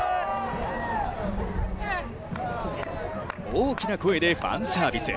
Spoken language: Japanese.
大きな声でファンサービス。